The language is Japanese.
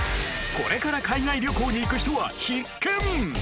これから海外旅行に行く人は必見！